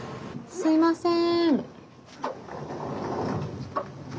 すいません。